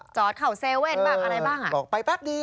จอดเข่าเซเว่นแบบอะไรบ้าง